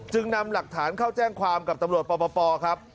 นำหลักฐานเข้าแจ้งความกับตำรวจปปครับ